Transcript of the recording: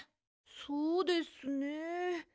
そうですね。